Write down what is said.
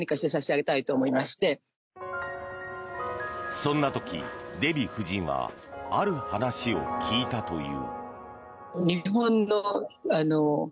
そんな時、デヴィ夫人はある話を聞いたという。